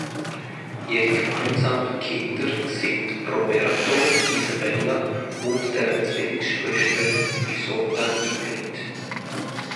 Ihre gemeinsamen Kinder sind Roberto, Isabella und deren Zwillingsschwester Isotta Ingrid.